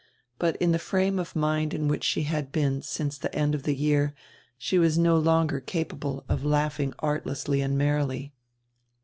But in the frame of mind in which she had been since the end of the year she was no longer capable of laughing artlessly and merrily.